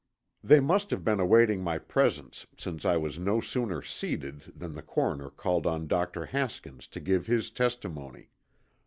They must have been awaiting my presence since I was no sooner seated than the coroner called on Doctor Haskins to give his testimony.